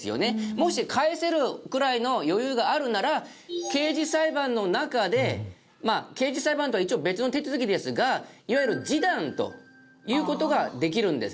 もし返せるくらいの余裕があるなら刑事裁判の中でまあ刑事裁判とは一応別の手続きですがいわゆる示談という事ができるんですね。